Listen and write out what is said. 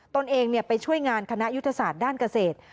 ตนเองไปช่วยงานคณะยุทธศาสตร์ด้านเกษตร